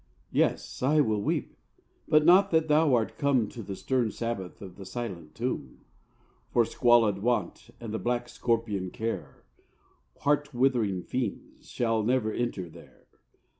Yes I will weep, but not that thou art come To the stern Sabbath of the silent tomb: For squalid Want, and the black scorpion Care, Heart withering fiends! shall never enter there.